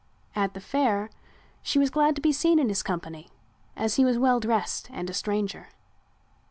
At the Fair she was glad to be seen in his company as he was well dressed and a stranger.